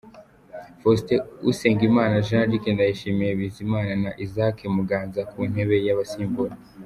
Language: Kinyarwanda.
Faustin Usengimana, Jean Luc Ndayishimiye, Bizimana na Isaac Muganza ku ntebe y’abasimbura.